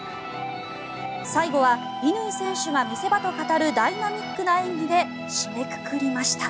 最後は乾選手が見せ場と語るダイナミックな演技で締めくくりました。